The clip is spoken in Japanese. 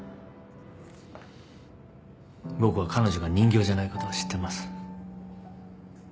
僕は彼女が人形じゃないことを知ってます。